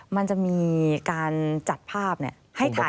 มันจะมีการจัดภาพให้ถ่าย